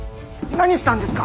何したんですか？